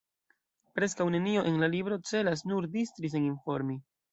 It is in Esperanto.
Preskaŭ nenio en la libro celas nur distri sen informi.